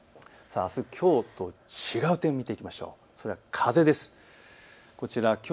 あす、きょうと違う点見ていきましょう。